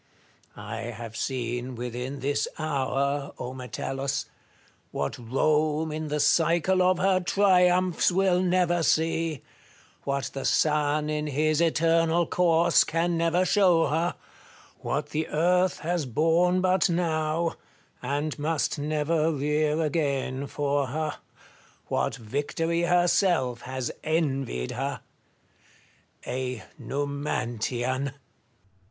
I have seen within this hour, Metellus, what Rome in the cycle of her triumphs will never see, what the Sun in his eternal course can never show her, what the Earth has borne but now, and must never rear again for her, what Victory herself has envied her, — a Numantian.